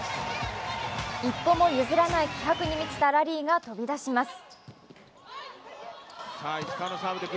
一歩も譲らない気迫に満ちたラリーが飛び出します。